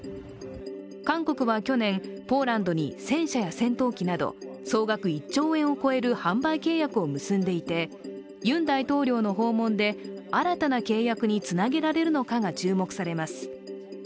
韓国は去年、ポーランドに戦車や戦闘機など総額１兆円を超える販売契約を結んでいて、ユン大統領の訪問で新たな契約につなげられるのかが注目されます。